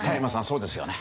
そうですよね。